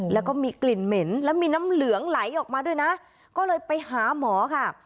แล้วก็มีกลิ่นเหม็นแล้วมีน้ำเหลืองไหลออกมาด้วยนะก็เลยไปหาหมอค่ะ